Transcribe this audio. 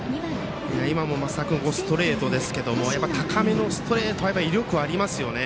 今の升田君ストレートですけど高めのストレート威力はありますよね。